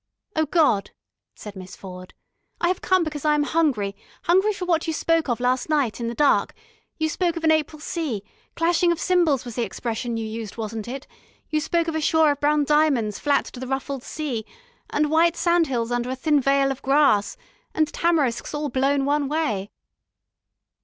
"Oh, God," said Miss Ford, "I have come because I am hungry, hungry for what you spoke of last night, in the dark.... You spoke of an April sea clashing of cymbals was the expression you used, wasn't it? You spoke of a shore of brown diamonds flat to the ruffled sea ... and white sandhills under a thin veil of grass ... and tamarisks all blown one way...."